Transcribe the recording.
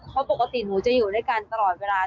เพราะปกติหนูจะอยู่ด้วยกันตลอดเวลา